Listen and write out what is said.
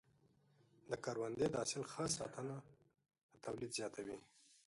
د کروندې د حاصل ښه ساتنه د تولید زیاتوي.